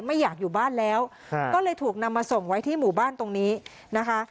ไม่อยากอยู่บ้านแล้วก็เลยถูกนำมาส่งไว้ที่หมู่บ้านตรงนี้นะคะ